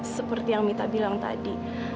seperti yang mita bilang tadi